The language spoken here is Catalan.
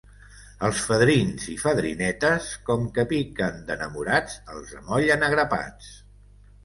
Els fadrins i fadrinetes, com que piquen d'enamorats, els amollen a grapats.